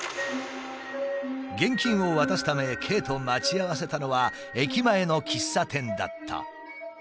現金を渡すためＫと待ち合わせたのは駅前の喫茶店だった。